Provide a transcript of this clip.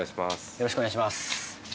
よろしくお願いします。